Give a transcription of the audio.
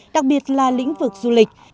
đặc biệt là lĩnh vực du lịch